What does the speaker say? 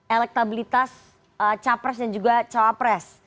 elektabilitas capres dan juga cawapres